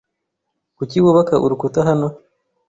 Kuki wubaka urukuta hano?